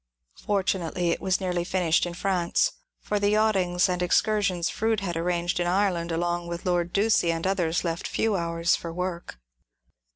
Fortunately it was nearly finished in France, for the yachtings, and excursions Froude had ar ranged in Ireland along with Lord Ducie and others left few hours for work.